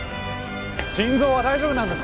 心臓は大丈夫なんですか？